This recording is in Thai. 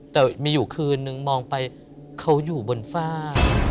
แต่มีอยู่คืนนึงมองไปเขาอยู่บนฝ้า